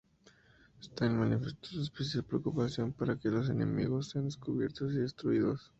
Stalin manifestó su especial preocupación para que los enemigos sean descubiertos y destruidos.